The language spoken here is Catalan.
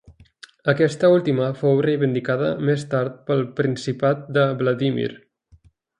Aquesta última fou reivindicada més tard pel principat de Vladímir.